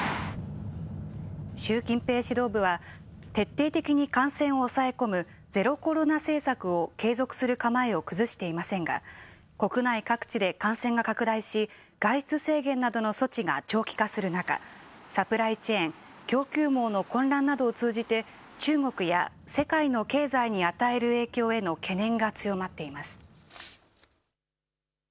習近平指導部は徹底的に感染を抑え込むゼロコロナ政策を継続する構えを崩していませんが国内各地で感染が拡大し外出制限などの措置が長期化する中、サプライチェーン・供給網の混乱などを通じて中国や世界の経済に与える影響への懸念が強まっています。